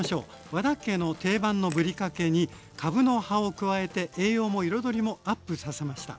和田家の定番のぶりかけにかぶの葉を加えて栄養も彩りもアップさせました。